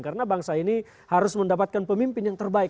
karena bangsa ini harus mendapatkan pemimpin yang terbaik